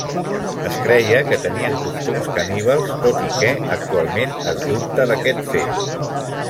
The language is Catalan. Es creia que tenien costums caníbals, tot i que actualment es dubta d'aquest fet.